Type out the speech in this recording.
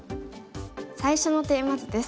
最初のテーマ図です。